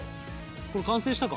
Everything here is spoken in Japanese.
これ完成したか？